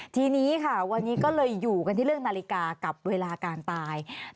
ทีนี้ค่ะวันนี้ก็เลยอยู่กันที่เรื่องนาฬิกากับเวลาการตาย